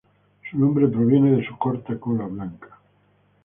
Su nombre proviene de su corta cola blanca.